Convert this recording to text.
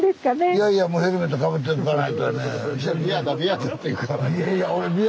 いやいやもうヘルメットかぶっておかないとやね。